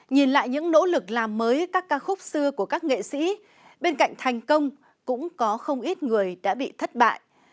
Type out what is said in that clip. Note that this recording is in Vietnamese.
nhìn lại những nỗ lực làm mới các ca khúc xưa của các nghệ sĩ bên cạnh thành công cũng có không ít người đã bị thất bại